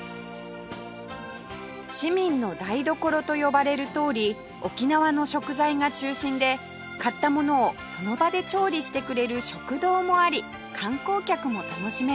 市民の台所と呼ばれるとおり沖縄の食材が中心で買ったものをその場で調理してくれる食堂もあり観光客も楽しめます